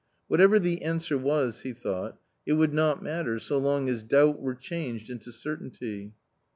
" Whatever the answer was," he thought, "it would not matter, so long as doubt were changed into certainty."